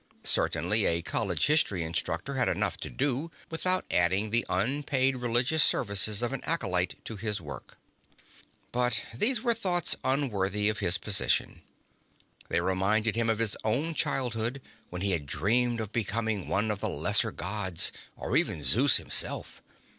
Certainly a college history instructor had enough to do, without adding the unpaid religious services of an acolyte to his work. But these were thoughts unworthy of his position. They reminded him of his own childhood, when he had dreamed of becoming one of the Lesser Gods, or even Zeus himself!